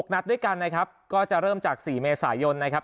นัดด้วยกันนะครับก็จะเริ่มจาก๔เมษายนนะครับ